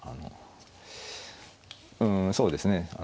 うんそうですね